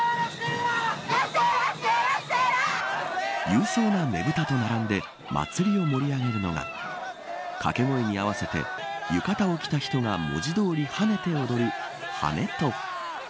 勇壮なねぶたと並んで祭りを盛り上げるのが掛け声に合わせて浴衣を着た人が文字通り、跳ねて踊る跳人。